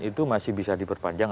itu masih bisa diperpanjang